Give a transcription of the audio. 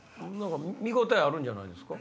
見応えあるんじゃないですか。